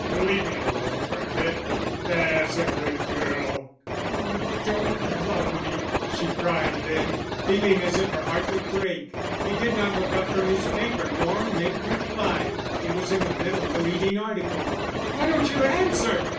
"Leave me alone for a bit, there's a good girl." "Oh, you don't love me," she cried then, feeling as if her heart would break. He did not look up from his paper nor make reply; he was in the middle of a leading article. "Why don't you answer?"